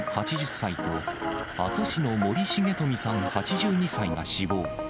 ８０歳と、阿蘇市の森繁富さん８２歳が死亡。